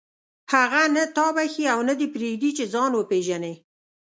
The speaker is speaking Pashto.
هغه نه تا بخښي او نه دې پرېږدي چې ځان وپېژنې.